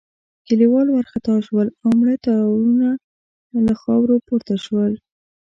کليوال وارخطا شول او مړه تاوونه له خاورو پورته شول.